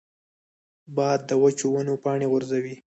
باد د وچو ونو پاڼې غورځوي